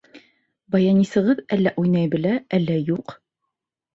Баянисығыҙ әллә уйнай белә, әллә юҡ.